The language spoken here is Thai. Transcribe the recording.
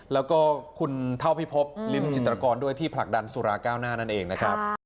แล้วก็คุณเท่าพิพบลิ้มจิตรกรด้วยที่ผลักดันสุราเก้าหน้านั่นเองนะครับ